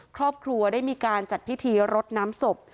ครอบครัวได้มีการจัดพิธีรดน้ำศพ